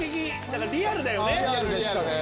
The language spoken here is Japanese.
だからリアルだよね！